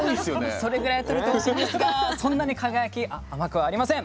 それぐらいとれてほしいんですがそんなに「輝」甘くはありません。